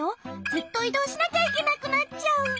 ずっといどうしなきゃいけなくなっちゃう。